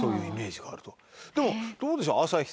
でもどうでしょう？